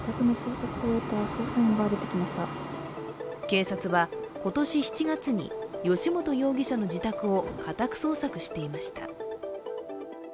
警察は、今年７月に由元容疑者の自宅を家宅捜索していました。